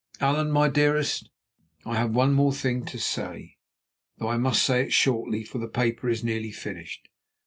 "Allan, my dearest, I have one more thing to say, though I must say it shortly, for the paper is nearly finished.